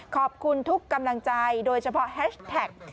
ขอบคุณทุกกำลังใจโดยเฉพาะแฮชแท็ก